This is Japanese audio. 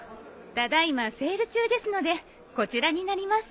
ただ今セール中ですのでこちらになります。